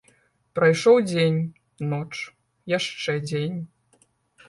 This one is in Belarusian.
Прайшоў дзень, ноч, яшчэ дзень.